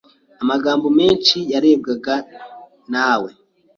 Amagambo menshi yarebwaga nawe